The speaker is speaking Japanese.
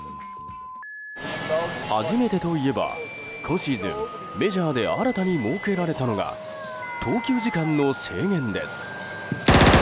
初めてといえば今シーズンメジャーで新たに設けられたのが投球時間の制限です。